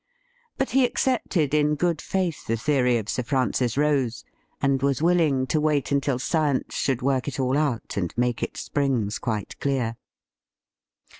But he accepted in good faith the theory of Sir Francis Rose, and was willing to wait until Science should work it all out and make its springs quite clear.